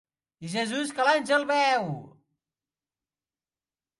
Jesús, que l'àngel beu!